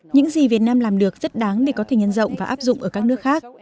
những gì việt nam làm được rất đáng để có thể nhân rộng và áp dụng ở các nước khác